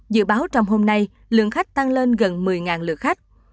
dự báo trong hôm nay lượng khách tăng lên gần một khách